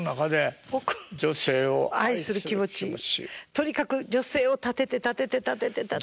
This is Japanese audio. とにかく女性を立てて立てて立てて立てて。